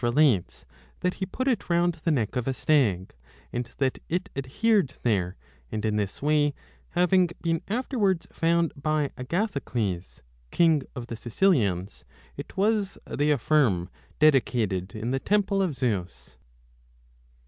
840 b DE MIRABILIBUS lates that he put it round the neck of a stag, and that it l adhered there ; and in this way having been afterwards found by Agathocles, king of the Sicilians, it was, they affirm, dedicated in the temple of Zeus.